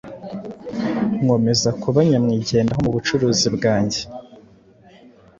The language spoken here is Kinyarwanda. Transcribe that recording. nkomeza kuba nyamwigendaho mu bucuruzi bwange,